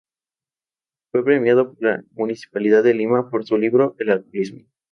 Fue premiado por la Municipalidad de Lima por su libro "El alcoholismo".